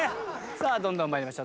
さあどんどん参りましょう。